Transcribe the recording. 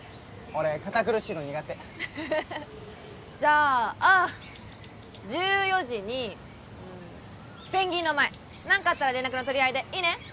俺堅苦しいの苦手じゃあ１４時にうんペンギンの前何かあったら連絡の取り合いでいいね？